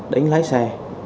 đến lái xe